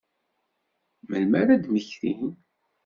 Melmi ara ad mmektin?